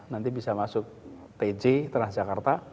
nanti bisa masuk tj transjakarta